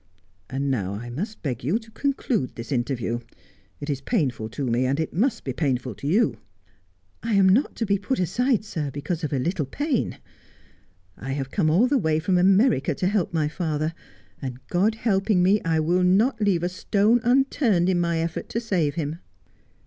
And now I must beg to conclude this interview. It is painful to me, and must be painful to you.' ' I am not to be put aside, sir, because of a little pain. I have come all the way from America to help my father, and, God helping me, I will not leave a stone unturned in my effort to save him.'